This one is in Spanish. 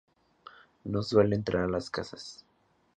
No suele entrar a las casas.